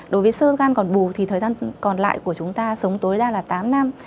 đối với sơ gan còn bù thì thời gian còn lại của chúng ta sống tối đa là tám năm